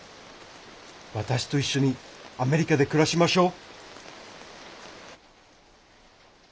私と一緒にアメリカで暮らしましょう。